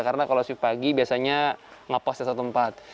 karena kalau shift pagi biasanya nge post di satu tempat